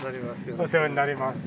お世話になります。